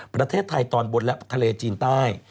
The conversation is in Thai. ประเทศไทยตอนบนและทะเลจีนใต้